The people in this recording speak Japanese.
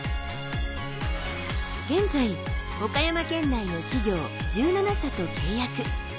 現在岡山県内の企業１７社と契約。